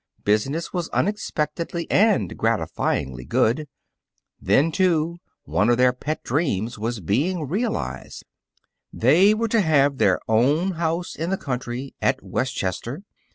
Business was unexpectedly and gratifyingly good. Then, too, one of their pet dreams was being realized; they were to have their own house in the country, at Westchester.